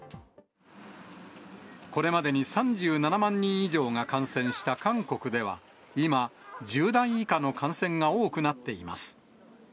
これまでに３７万人以上が感染した韓国では、今、１０代以下の感染が多くなっています。